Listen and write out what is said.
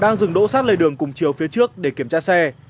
đang dừng đỗ sát lề đường cùng chiều phía trước để kiểm tra xe